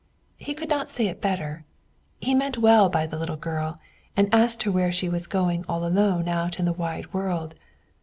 He could not say it better; but he meant well by the little girl, and asked her where she was going all alone out in the wide world.